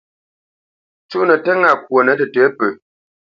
Cúʼnə tə́ ŋâ kwonə tətə̌ pə.